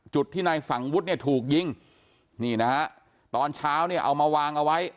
จุดที่นายสังวุฒิเนี่ยถูกยิงนี่นะฮะตอนเช้าเนี่ยเอามาวางเอาไว้